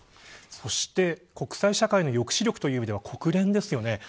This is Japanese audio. そして国際社会の抑止力という意味では国連ですよね。